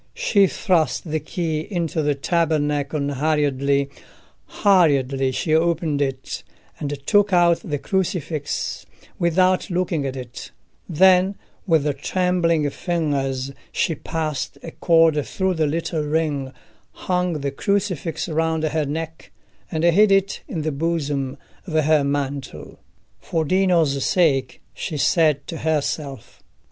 She thrust the key into the tabernacle hurriedly: hurriedly she opened it, and took out the crucifix, without looking at it; then, with trembling fingers, she passed a cord through the little ring, hung the crucifix round her neck, and hid it in the bosom of her mantle. "For Dino's sake," she said to herself.